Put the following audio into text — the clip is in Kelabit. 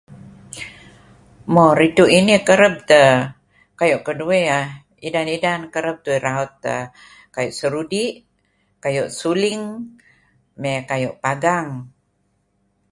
Mo rituh inih kareb tah..kayuh kaduih[aah]idan idan kareb tah'uih raut[aah]kayuh sarudih, kayuh suling amey kayuh pagang.